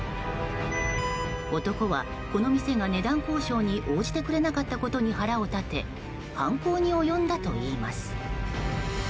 男は、この店が値段交渉に応じてくれなかったことに腹を立て犯行に及んだといいます。